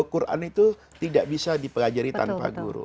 al quran itu tidak bisa dipelajari tanpa guru